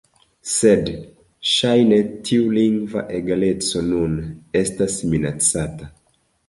Sed ŝajne tiu lingva egaleco nun estas minacata.